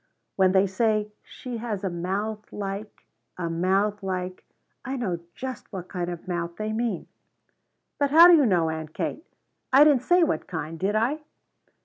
When they say 'She has a mouth like a mouth like ' I know just what kind of mouth they mean." "But how do you know, Aunt Kate? I didn't say what kind, did I?"